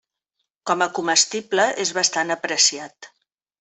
Coma comestible és bastant apreciat.